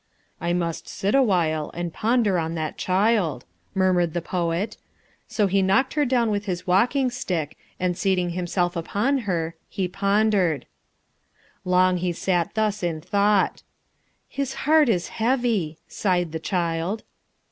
"I must sit awhile and ponder on that child," murmured the poet. So he knocked her down with his walking stick and seating himself upon her, he pondered. Long he sat thus in thought. "His heart is heavy," sighed the child.